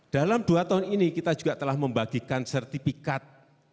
dalam dua tahun ini kita juga telah membagikan sertifikat dua ribu tujuh belas